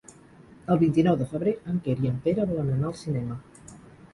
El vint-i-nou de febrer en Quer i en Pere volen anar al cinema.